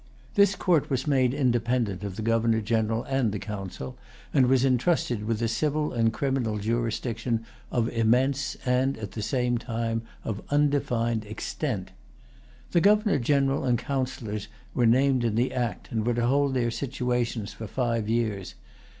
This court was made independent of the Governor General and Council, and was entrusted with a civil and criminal jurisdiction of immense and, at the same time, of undefined extent. The Governor General and Councillors were named in the act, and were to hold their situations for five years.